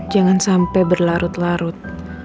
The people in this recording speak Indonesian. jangan sampai berlarut larut